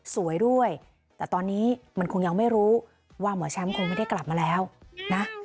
สวยด้วยแต่ตอนนี้มันคงยังไม่รู้ว่าหมอแชมป์คงไม่ได้กลับมาแล้วนะ